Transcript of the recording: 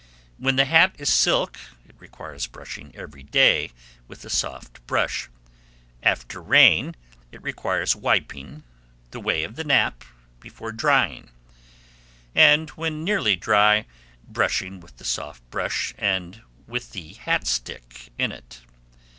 When the hat is silk, it requires brushing every day with a soft brush; after rain, it requires wiping the way of the nap before drying, and, when nearly dry, brushing with the soft brush and with the hat stick in it.